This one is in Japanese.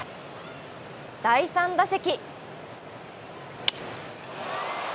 第３打席。